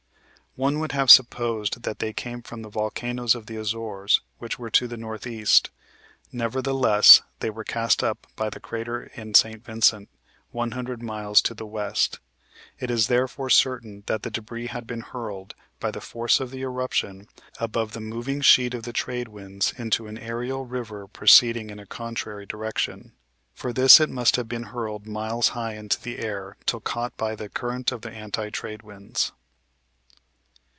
One would have supposed that they came from the volcanoes of the Azores, which were to the northeast; nevertheless they were cast up by the crater in St. Vincent, one hundred miles to the west. It is therefore certain that the debris had been hurled, by the force of the eruption, above the moving sheet of the trade winds into an aerial river proceeding in a contrary direction." For this it must have been hurled miles high into the air, till caught by the current of the anti trade winds.